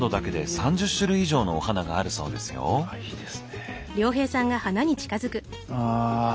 あいいですね。